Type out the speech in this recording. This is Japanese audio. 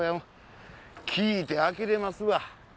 聞いて呆れますわ。